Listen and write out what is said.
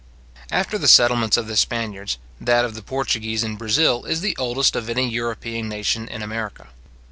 After the settlements of the Spaniards, that of the Portuguese in Brazil is the oldest of any European nation in America.